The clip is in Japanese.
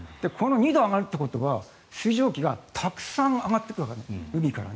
２度上がるってことは水蒸気がたくさん上がってくるわけです、海から。